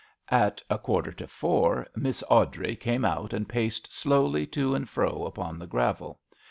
At a quarter to four Miss Awdrey came out and paced slowly to and fro upon the gravel.